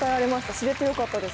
知れてよかったです